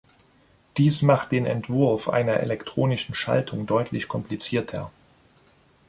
Dies macht den Entwurf einer elektronischen Schaltung deutlich komplizierter.